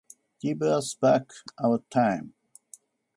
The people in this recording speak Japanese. Give us back our time.